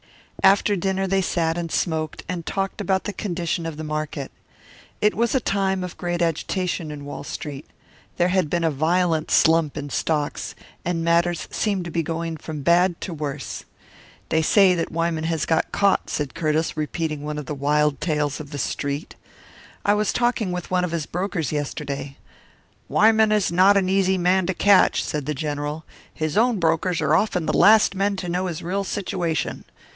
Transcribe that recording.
After dinner they sat and smoked, and talked about the condition of the market. It was a time of great agitation in Wall Street. There had been a violent slump in stocks, and matters seemed to be going from bad to worse. "They say that Wyman has got caught," said Curtiss, repeating one of the wild tales of the "Street." "I was talking with one of his brokers yesterday." "Wyman is not an easy man to catch," said the General. "His own brokers are often the last men to know his real situation.